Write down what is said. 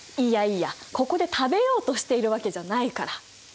いやいやここで食べようとしているわけじゃないから。